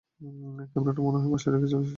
ক্যামেরাটা মনেহয় বাসায় রেখে চলে এসেছি, স্টিভেন।